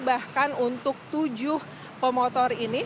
bahkan untuk tujuh pemotor ini